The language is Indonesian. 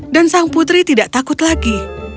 dan sang putri tidak takut lagi